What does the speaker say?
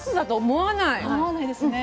思わないですね。